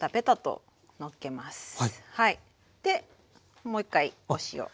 でもう一回お塩。